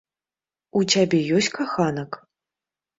У цябе ёсць каханак?